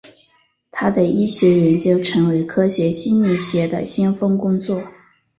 他的医学研究成为科学心理学的先锋工作。